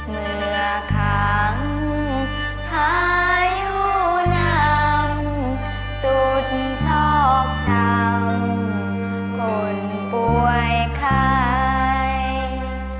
เมื่อขังพายุน้ำสุดชอบทำคนป่วยใคร